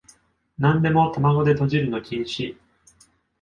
なんでも玉子でとじるの禁止